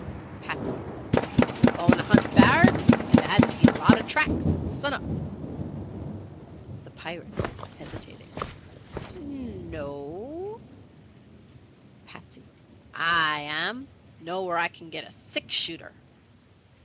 Patsey. "Goin' to hunt bars? Dad seed a lot o' tracks at sun up." The Pirates (hesitating). "No o " Patsey. "I am; know where I kin get a six shooter."